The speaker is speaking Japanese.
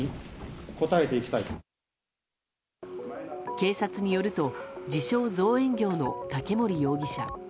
警察によると自称造園業の竹森容疑者。